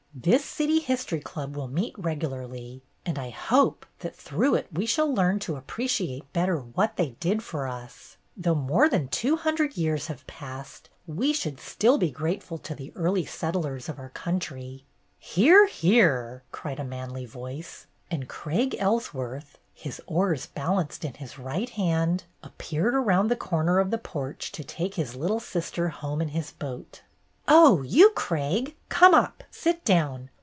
This City History Club will meet regularly, and I hope that through it we shall learn to appreciate better what they did for us. A CITY HISTORY CLUB 183 Though more than two hundred years have passed, we should still be grateful to the early settlers of our country.'' "Hear! hear!" cried a manly voice, and Craig Ellsworth, his oars balanced in his right hand, appeared round the corner of the porch to take his little sister home in his boat. "Oh, you, Craig! Come up. Sit down.